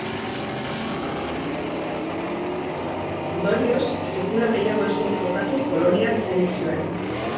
Ondorioz, sekula gehiago ez zuen jokatu Poloniar selekzioarekin.